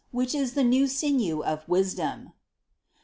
which is itie only sinew of wisdom